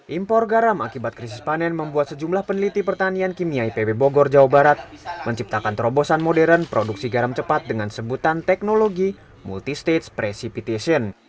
impor garam akibat krisis panen membuat sejumlah peneliti pertanian kimia ipb bogor jawa barat menciptakan terobosan modern produksi garam cepat dengan sebutan teknologi multistage precipitation